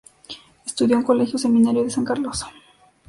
Estudió en Colegio Seminario de San Carlos.